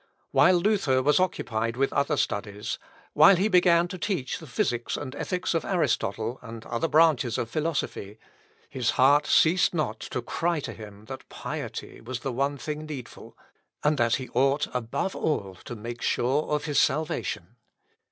While Luther was occupied with other studies, while he began to teach the physics and ethics of Aristotle, and other branches of philosophy, his heart ceased not to cry to him that piety was the one thing needful, and that he ought above all to make sure of his salvation.